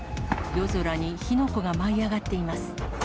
夜空に火の粉が舞い上がっています。